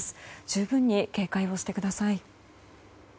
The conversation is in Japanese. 十分に警戒をしてください。